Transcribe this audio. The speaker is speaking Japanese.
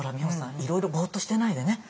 いろいろぼっとしてないでね。